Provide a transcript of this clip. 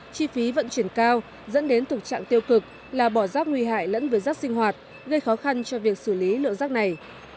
chi phí vận chuyển cao dẫn đến thực trạng tiêu cực là bỏ rác nguy hại lẫn với rác sinh hoạt gây khó khăn cho việc xử lý lượng rác này